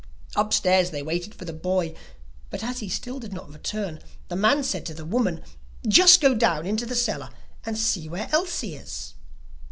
Upstairs they waited for the boy, but as he still did not return, the man said to the woman: 'Just go down into the cellar and see where Elsie is!